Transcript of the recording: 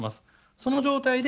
その状態で。